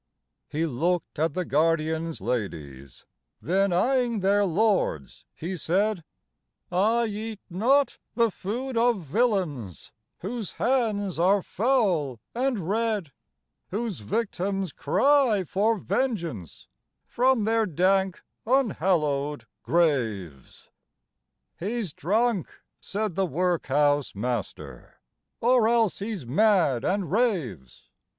He looked at the guardians' ladies, Then, eyeing their lords, he said, " I eat not the food of villains Whose hands are foul and red :" Whose victims cry for vengeance From their dank, unhallowed graves." " He 's drunk !" said the workhouse master, •* Or else he 's mad, affd raves."